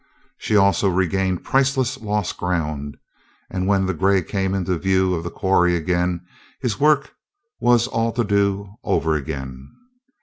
She also regained priceless lost ground, and when the gray came in view of the quarry again his work was all to do over again.